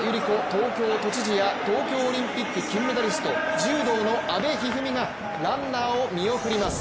東京都知事や東京オリンピック金メダリスト柔道の阿部一二三がランナーを見送ります。